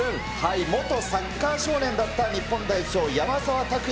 元サッカー少年だった日本代表、山沢拓也。